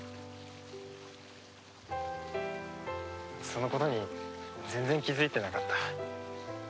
そのことに全然気づいてなかった。